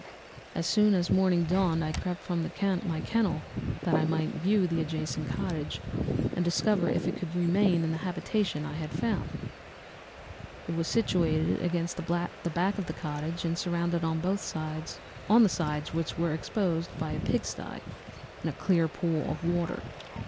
As soon as morning dawned I crept from my kennel, that I might view the adjacent cottage and discover if I could remain in the habitation I had found. It was situated against the back of the cottage and surrounded on the sides which were exposed by a pig sty and a clear pool of water.